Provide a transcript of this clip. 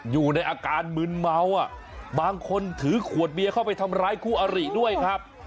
อยู่ในอาการมืนเมาอ่ะบางคนถือขวดเบียเข้าไปทำร้ายคู่อริด้วยครับ